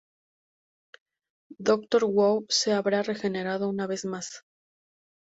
Doctor Who se habrá regenerado una vez más".